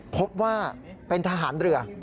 พบว่าเป็นทหารเรือ